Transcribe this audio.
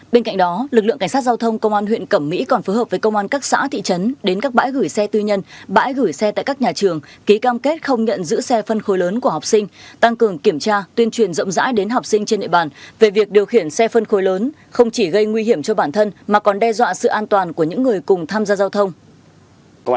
bên cạnh đó lực lượng cảnh sát giao thông công an huyện cẩm mỹ còn phối hợp với công an các xã thị trấn đến các bãi gửi xe tư nhân bãi gửi xe tại các nhà trường ký cam kết không nhận giữ xe phân khối lớn của học sinh tăng cường kiểm tra tuyên truyền rộng rãi đến học sinh trên địa bàn về việc điều khiển xe phân khối lớn không chỉ gây nguy hiểm cho bản thân mà còn đe dọa sự an toàn của những người cùng tham gia giao thông